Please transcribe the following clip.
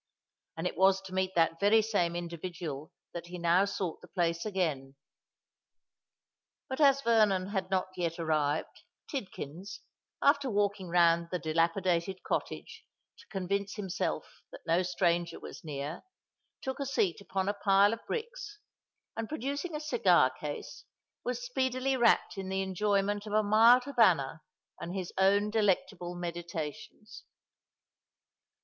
And it was to meet that very same individual that he now sought the place again. But as Vernon had not yet arrived, Tidkins, after walking round the dilapidated cottage to convince himself that no stranger was near, took a seat upon a pile of bricks, and, producing a cigar case, was speedily wrapped in the enjoyment of a mild havannah and his own delectable meditations.